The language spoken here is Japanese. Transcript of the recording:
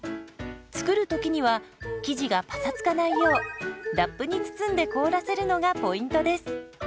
作る時には生地がパサつかないようラップに包んで凍らせるのがポイントです。